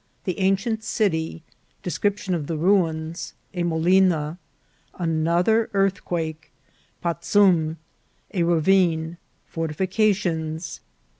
— The ancient City. — Description of the Ruins. — A Molina. — Anoth er Earthquake — Patzum.— A Ravine. — Fortifications.